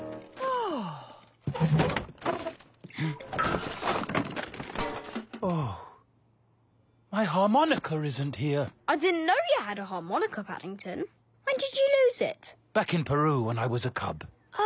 ああ！